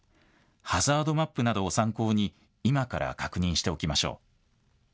ハザードマップなどを参考に今から確認しておきましょう。